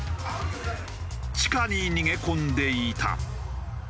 地下に逃げ込んでいた。